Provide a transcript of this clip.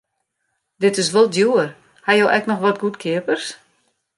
Dit is wol djoer, ha jo ek noch wat goedkeapers?